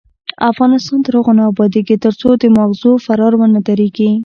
افغانستان تر هغو نه ابادیږي، ترڅو د ماغزو فرار ونه دریږي.